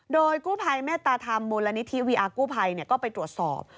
โดยกู้ภัยเมตตาธรรมมูลนิธิวีอาร์กู้ภัยก็ไปตรวจสอบ